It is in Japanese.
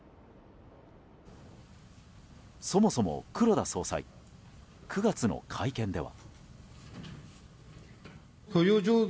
そもそも黒田総裁９月の会見では。